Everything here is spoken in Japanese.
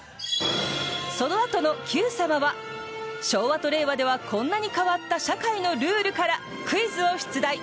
そのあとの「Ｑさま！！」は昭和と令和ではこんなに変わった社会のルールからクイズを出題。